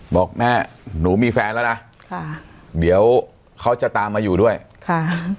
บอกแม่หนูมีแฟนแล้วนะค่ะเดี๋ยวเขาจะตามมาอยู่ด้วยค่ะ